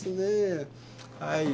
はい。